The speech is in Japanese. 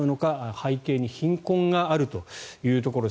背景に貧困があるということです。